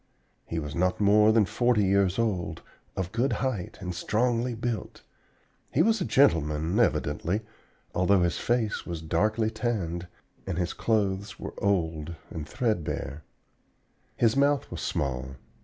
He was not more than forty years old, of good height and strongly built. He was a gentleman, evidently, although his face was darkly tanned and his clothes were old and threadbare. His mouth was small.